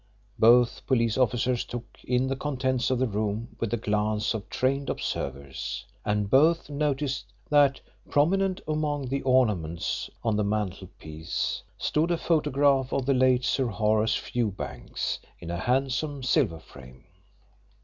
Both police officers took in the contents of the room with the glance of trained observers, and both noticed that, prominent among the ornaments on the mantelpiece, stood a photograph of the late Sir Horace Fewbanks in a handsome silver frame.